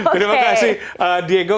terima kasih diego